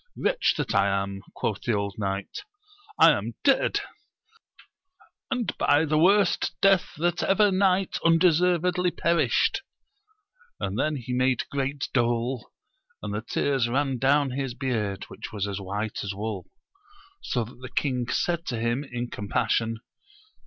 Wretch that I am! quoth the old knight ; I am dead ! and by the worst death that ever knight undeservedly perished ! and then he made great dole, and the tears ran down his beard which was as white as wool ; so that the king said to him in com passion.